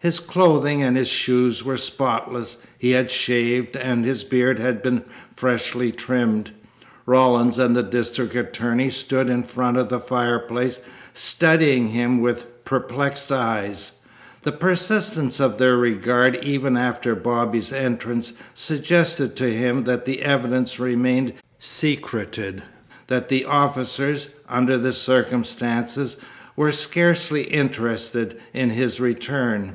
His clothing and his shoes were spotless. He had shaved, and his beard had been freshly trimmed. Rawlins and the district attorney stood in front of the fireplace, studying him with perplexed eyes. The persistence of their regard even after Bobby's entrance suggested to him that the evidence remained secreted, that the officers, under the circumstances, were scarcely interested in his return.